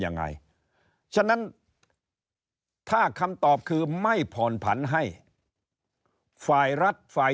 ยังไงฉะนั้นถ้าคำตอบคือไม่ผ่อนผันให้ฝ่ายรัฐฝ่าย